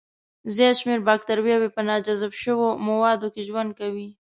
زیات شمېر بکتریاوي په ناجذب شوو موادو کې ژوند کوي.